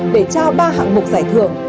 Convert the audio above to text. để trao ba hạng mục giải thưởng